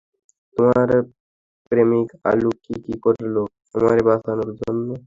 তোমার প্রেমিক আলু, কি কি করলো আমারে বাঁচানোর জন্য!